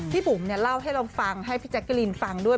พี่บุ๋มเนี่ยเล่าให้เราฟังให้พี่แจ๊คกรีนฟังด้วย